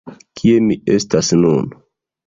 Kie mi estas nun?